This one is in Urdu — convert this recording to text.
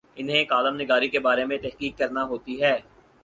انہیں کالم نگاری کے بارے میں تحقیق کرنا ہوتی ہے۔